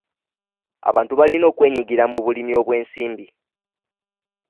Abantu balina okwenyigira mu bulimi obw'ensimbi.